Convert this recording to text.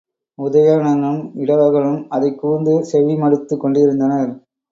உதயணனும் இடவகனும் அதைக் கூர்ந்து செவி மடுத்துக் கொண்டிருந்தனர்.